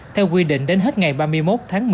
theo quy định đến hết ngày ba mươi một tháng một mươi một